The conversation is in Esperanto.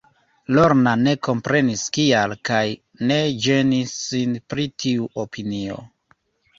Lorna ne komprenis kial, kaj ne ĝenis sin pri tiu opinio.